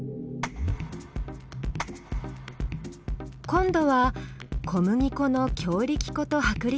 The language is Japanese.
今度は小麦粉の強力粉と薄力粉。